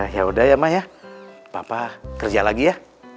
yaudah ya ma ya papa kerja lagi ya